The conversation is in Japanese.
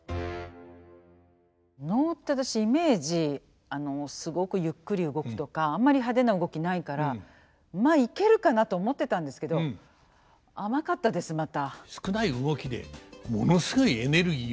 能って私イメージすごくゆっくり動くとかあんまり派手な動きないからまあイケるかなと思ってたんですけど甘かったですまた。